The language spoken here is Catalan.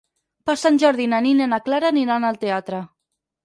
Per Sant Jordi na Nina i na Clara aniran al teatre.